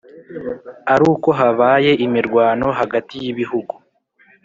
aruko habaye imirwano hagati y ibihugu